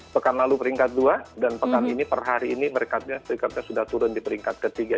pekan lalu peringkat dua dan pekan ini per hari ini merekatnya serikatnya sudah turun di peringkat ketiga